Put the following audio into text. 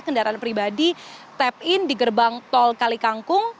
kendaraan pribadi tap in di gerbang tol kali kangkung